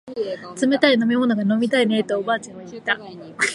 冷たい飲み物が飲みたいねえとおばあちゃんは言った